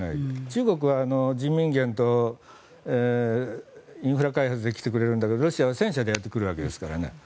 中国は人民元とインフラ開発で来てくれるんだけどロシアは戦車でやってくるわけですからね。